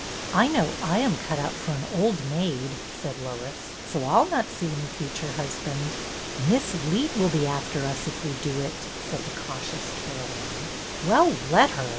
" I know I am cut out for an old maid," said Lois, "so I'll not see any future hus band." " Miss Leet will be after us if we do it," said the cautious Caroline. " Well, let her !